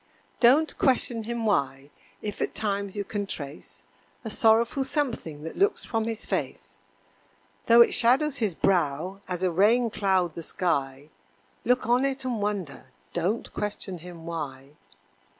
Don't question him why if at times you can trace A sorrowful something that looks from his face; Though it shadows his brow as a raincloud the sky, Look on it and wonder don't question him why.